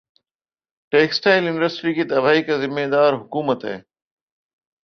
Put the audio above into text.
textile industry کی تباہی کی ذمہ دار حکومت ہے اسد عمر